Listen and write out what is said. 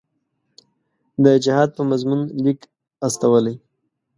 د جهاد په مضمون لیک استولی.